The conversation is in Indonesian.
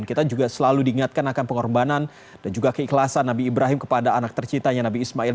kita juga selalu diingatkan akan pengorbanan dan juga keikhlasan nabi ibrahim kepada anak tercitanya nabi ismail